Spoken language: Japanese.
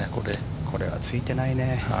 これはついてないね。